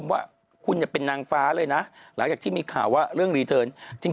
ว่าคุณเป็นนางฟ้าเลยนะหลังจากที่มีข่าวว่าเรื่องรีเทิร์นจริง